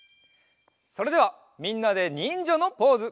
それではみんなでにんじゃのポーズ。